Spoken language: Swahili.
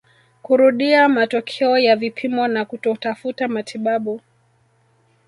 kurudia matokeo ya vipimo na kutotafuta matibabu